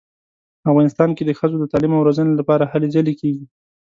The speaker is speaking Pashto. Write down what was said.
افغانستان کې د ښځو د تعلیم او روزنې لپاره هلې ځلې کیږي